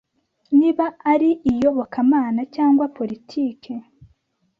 niba ari iyobokamana cg politiki